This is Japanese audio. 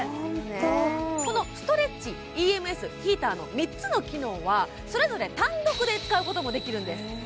ホントこのストレッチＥＭＳヒーターの３つの機能はそれぞれ単独で使うこともできるんです